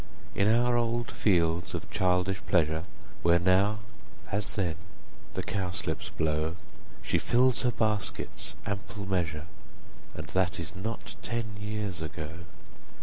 In our old fields of childish pleasure, 45 Where now, as then, the cowslips blow, She fills her basket's ample measure; And that is not ten years ago.